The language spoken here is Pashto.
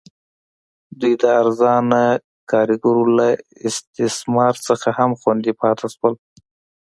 دوی د ارزانه کارګرو له استثمار څخه هم خوندي پاتې شول.